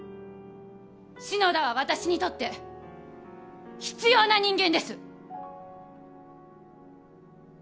篠田は私にとって必要な人間です！